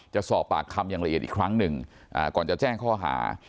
จะสอบปากคำอย่างละเอียดอีกครั้งหนึ่งก่อนจะแจ้งข้อหา